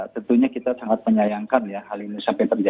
tentunya kita sangat menyayangkan ya hal ini sampai terjadi